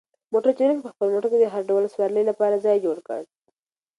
موټر چلونکي په خپل موټر کې د هر ډول سوارلۍ لپاره ځای جوړ کړ.